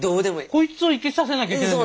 こいつを生きさせなきゃいけない。